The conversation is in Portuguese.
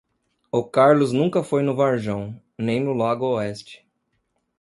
O Carlos nunca foi no Varjão, nem no Lago Oeste.